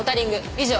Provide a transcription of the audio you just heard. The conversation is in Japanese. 以上。